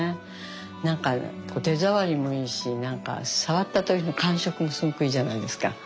なんか手触りもいいしなんか触った時の感触もすごくいいじゃないですか。